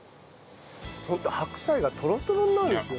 ホント白菜がトロトロになるんですよね。